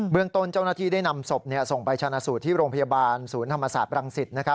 เมืองต้นเจ้าหน้าที่ได้นำศพส่งไปชนะสูตรที่โรงพยาบาลศูนย์ธรรมศาสตร์บรังสิต